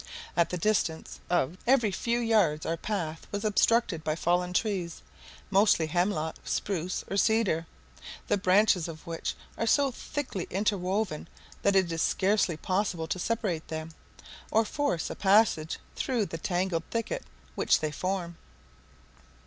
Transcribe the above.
At the distance of every few yards our path was obstructed by fallen trees, mostly hemlock, spruce, or cedar, the branches of which are so thickly interwoven that it is scarcely possible to separate them, or force a passage through the tangled thicket which they form.